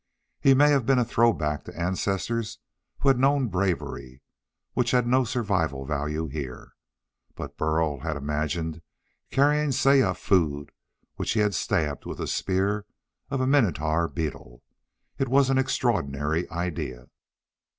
He may have been a throw back to ancestors who had known bravery, which had no survival value here. But Burl had imagined carrying Saya food which he had stabbed with the spear of a Minotaur beetle. It was an extraordinary idea.